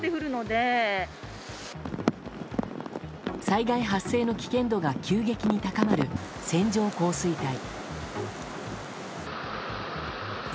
災害発生の危険度が急激に高まる、線状降水帯。